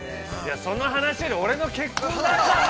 ◆その話よりも、俺の結婚だろ！